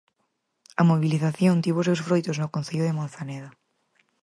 A mobilización tivo os seus froitos no Concello de Manzaneda.